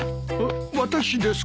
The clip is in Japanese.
私ですか？